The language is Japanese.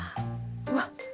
うわっ！